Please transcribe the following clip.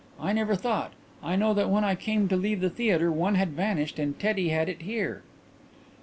"I never thought. I know that when I came to leave the theatre one had vanished and Teddy had it here."